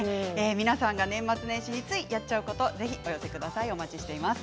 皆さんが年末年始についやってしまうことをぜひお寄せください。